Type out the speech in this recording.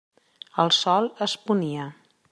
El sol es ponia.